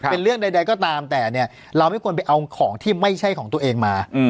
เป็นเรื่องใดก็ตามแต่เนี่ยเราไม่ควรไปเอาของที่ไม่ใช่ของตัวเองมา